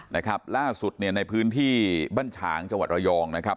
นะครับล่าสุดเนี่ยในพื้นที่บ้านฉางจังหวัดระยองนะครับ